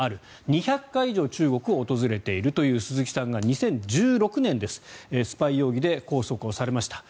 ２００回以上中国を訪れているという鈴木さんが２０１６年ですスパイ容疑で拘束されました。